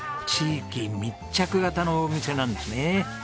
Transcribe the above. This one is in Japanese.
地域密着型のお店なんですね。